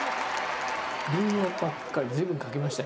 りんごばっかり随分描きましたよ。